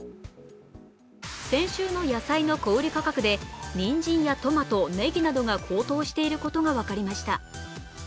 先週の野菜の小売価格で、にんじんやトマト、ねぎなどが高騰していることが分かりました。